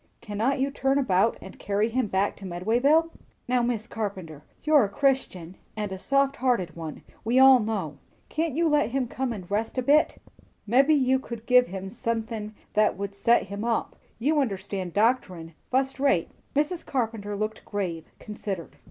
"Cannot you turn about and carry him back to Medwayville?" "Now, Mis' Carpenter, you're a Christian, and a soft hearted one, we all know. Can't you let him come in and rest a bit? Mebbe you could give him sunthin' that would set him up. You understand doctorin', fust rate." Mrs. Carpenter looked grave, considered.